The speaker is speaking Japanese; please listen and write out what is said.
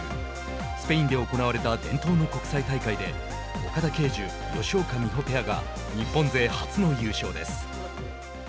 スペインで行われた伝統の国際大会で岡田奎樹、吉岡美帆ペアが日本勢初の優勝です。